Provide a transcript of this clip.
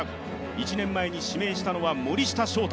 １年前に指名したのは、森下翔太。